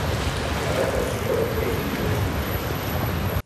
La datació és imprecisa.